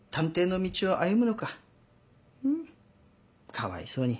かわいそうに。